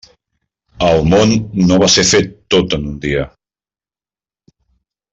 El món no va ser fet tot en un dia.